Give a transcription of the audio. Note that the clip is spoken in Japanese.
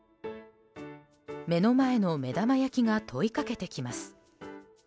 目の前の目玉焼きが問いかけてきます。